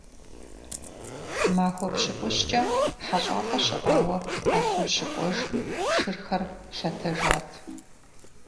Махуэ пщыкӀущкӀэ хьэщӀапӀэ щыӀауэ Артур щыкӀуэжым, шырхэр лъэтэжат.